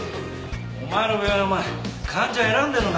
お前の病院お前患者選んでるのかよ？